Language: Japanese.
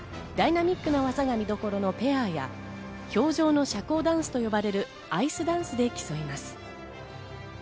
ダイナミックな技が見どころのペアや、氷上の社交ダンスと呼ばれるアイスダンスで競います。